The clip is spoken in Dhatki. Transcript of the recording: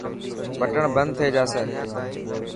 بٽڻ بند ٿي جاسي.